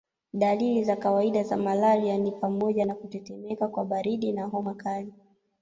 Dalili za kawaida za malaria ni pamoja na kutetemeka kwa baridi na homa kali